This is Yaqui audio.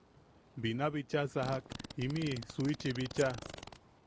Bina bicha sajak imiʼi suichi bicha.